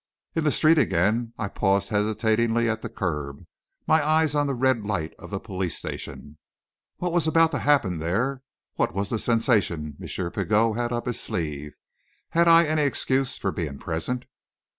In the street again, I paused hesitatingly at the curb, my eyes on the red light of the police station. What was about to happen there? What was the sensation M. Pigot had up his sleeve? Had I any excuse for being present?